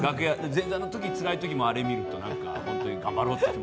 前座のとき、つらいときもあれ見ると、本当、頑張ろうって。